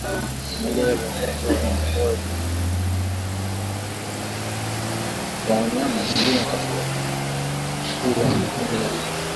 Vimelea vya ugonjwa wa majimoyo hupelekwa kwa mnyama mwingine wakati kupe anapokuwa anafyonza damu